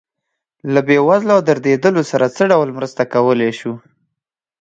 له بې وزلو او دردېدلو سره څه ډول مرسته کولی شو.